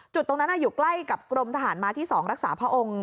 จุดตรงนั้นอยู่ใกล้กับกรมทหารมาที่๒รักษาพระองค์